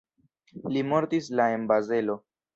Li mortis la en Bazelo.